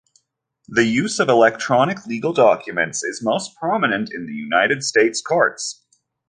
The use of electronic legal documents is most prominent in the United States' courts.